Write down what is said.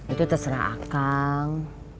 itu terserah akang